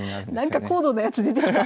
なんか高度なやつ出てきた。